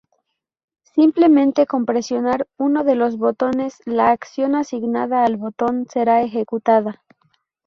Simplemente con presionar uno de los botones, la acción asignada al botón será ejecutada.